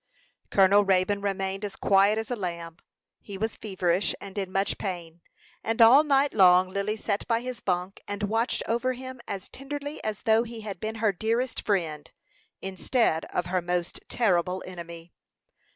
Colonel Raybone remained as quiet as a lamb. He was feverish, and in much pain, and all night long Lily sat by his bunk, and watched over him as tenderly as though he had been her dearest friend, instead of her most terrible enemy.